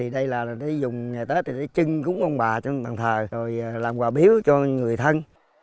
đây là một thứ đặc sản